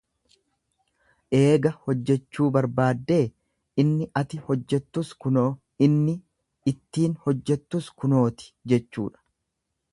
Eega hojjechuu barbaaddee inni ati hojjettus kunoo inni ittiin hojjettus kunooti jechuudha.